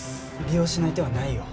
利用しない手はないよ。